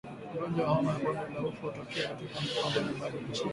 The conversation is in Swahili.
Ugonjwa wa homa ya bonde la ufa hutokea katika mikoa mbalimbali nchini